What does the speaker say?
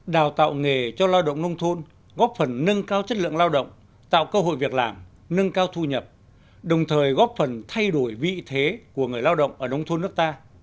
đào tạo nghề cho lao động nông thôn góp phần nâng cao chất lượng lao động tạo cơ hội việc làm nâng cao thu nhập đồng thời góp phần thay đổi vị thế của người lao động ở nông thôn nước ta